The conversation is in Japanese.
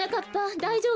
だいじょうぶ？